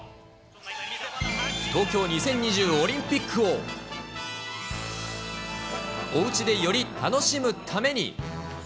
東京２０２０オリンピックを、おうちでより楽しむために。